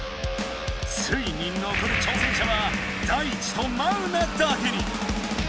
ついにのこる挑戦者はダイチとマウナだけに。